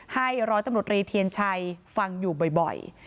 ร้อยตำรวจรีเทียนชัยฟังอยู่บ่อย